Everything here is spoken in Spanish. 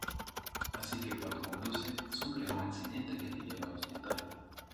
Así que cuando conduce, sufre un accidente que le lleva al hospital.